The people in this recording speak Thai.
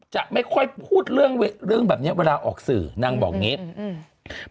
จะไม่ค่อยพูดเรื่องแบบนี้เวลาออกสื่อนางบอกอย่างนี้